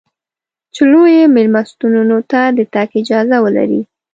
چې لویو مېلمستونو ته د تګ اجازه ولرې.